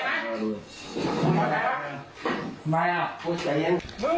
รักษัยประชาชน